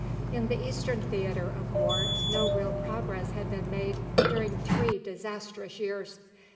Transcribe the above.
In the Eastern theatre of war, no real progress had been made during three disastrous years.